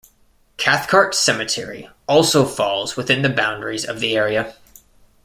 Cathcart Cemetery also falls within the boundaries of the area.